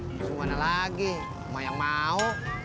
bisa mana lagi rumah yang mau